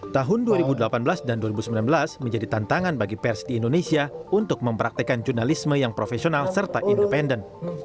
tahun dua ribu delapan belas dan dua ribu sembilan belas menjadi tantangan bagi pers di indonesia untuk mempraktekan jurnalisme yang profesional serta independen